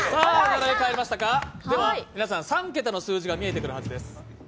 皆さん、３桁の数字が見えてくるはずです。